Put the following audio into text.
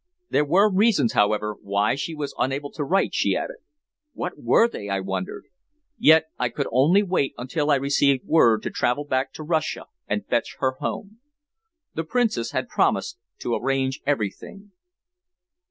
There were reasons, however, why she was unable to write, she added. What were they, I wondered? Yet I could only wait until I received word to travel back to Russia and fetch her home. The Princess had promised to arrange everything.